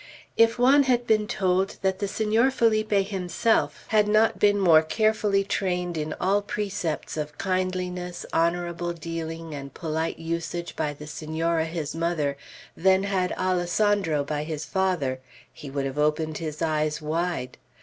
If Juan had been told that the Senor Felipe himself had not been more carefully trained in all precepts of kindliness, honorable dealing, and polite usage, by the Senora, his mother, than had Alessandro by his father, he would have opened his eyes wide.